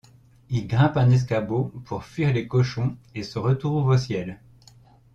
Il grimpe un escabeau, pour fuir les cochons, et se retrouve au ciel.